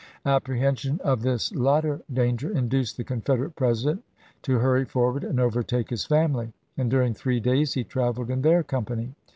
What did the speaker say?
Apprehension of this latter dan ger induced the Confederate President to hurry forward and overtake his family, and during three days he traveled in their company.